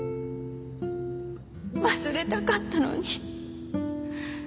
忘れたかったのに。